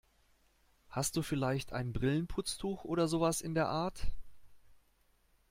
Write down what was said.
Hast du vielleicht ein Brillenputztuch oder sowas in der Art?